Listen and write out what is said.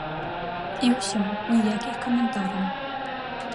І ўсё, ніякіх каментараў.